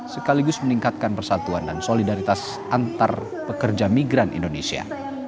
sekaligus meningkatkan persatuan dan solidaritas antar pekerja migran indonesia